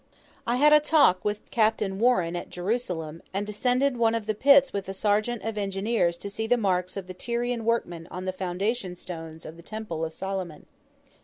I had a talk with Capt. Warren at Jerusalem, and descended one of the pits with a sergeant of engineers to see the marks of the Tyrian workmen on the foundation stones of the Temple of Solomon.